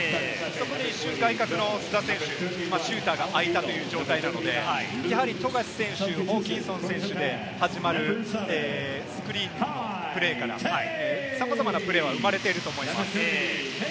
そこで一瞬、外角の須田選手、シューターがあいたという状態なので、富樫選手、ホーキンソン選手で始まるスクリーンのプレーからさまざまなプレーが生まれていると思います。